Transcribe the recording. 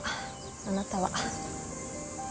あなたは。